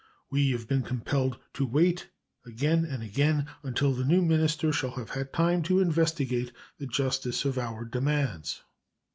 We have been compelled to wait again and again until the new minister shall have had time to investigate the justice of our demands.